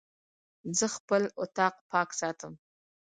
زه خپل اطاق پاک ساتم.